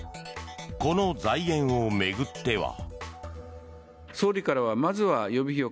この財源を巡っては。